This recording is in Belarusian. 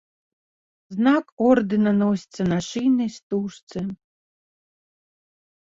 Знак ордэна носіцца на шыйнай стужцы.